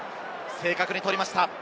正確に取りました。